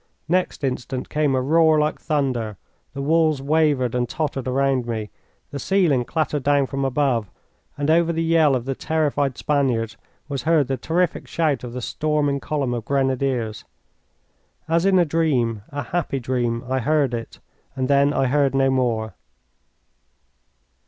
Next instant came a roar like thunder, the walls wavered and tottered around me, the ceiling clattered down from above, and over the yell of the terrified Spaniards was heard the terrific shout of the storming column of Grenadiers. As in a dream a happy dream I heard it, and then I heard no more.